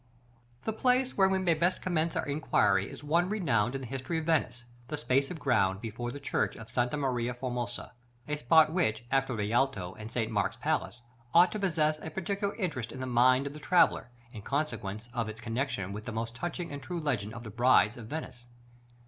§ III. The place where we may best commence our inquiry is one renowned in the history of Venice, the space of ground before the Church of Santa Maria Formosa; a spot which, after the Rialto and St. Mark's Place, ought to possess a peculiar interest in the mind of the traveller, in consequence of its connexion with the most touching and true legend of the Brides of Venice.